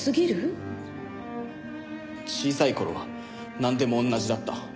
小さい頃はなんでも同じだった。